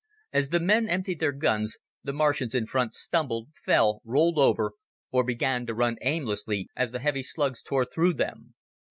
As the men emptied their guns, the Martians in front stumbled, fell, rolled over, or began to run aimlessly as the heavy slugs tore through them.